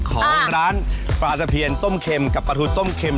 ของร้านปลาเทอัสเพียรต้มเข็มกับปลาทุชต้มเข็ม